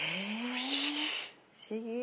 不思議。